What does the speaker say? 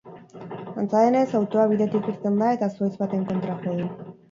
Antza denez, autoa bidetik irten da eta zuhaitz baten kontra jo du.